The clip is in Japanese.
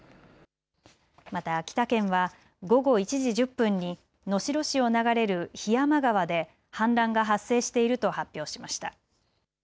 また秋田県は午後１時１０分に能代市を流れる檜山川で氾濫が発生していると発表しました。